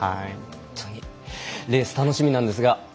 レース楽しみなんですが。